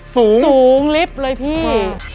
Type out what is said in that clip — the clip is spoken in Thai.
สูงสูงลิฟต์เลยพี่